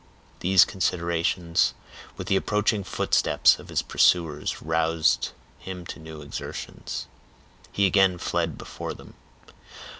These considerations, with the approaching footsteps of his pursuers, roused him to new exertions. He again fled before them.